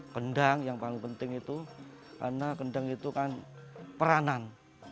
kendang yang paling penting itu karena kendang itu kan peranan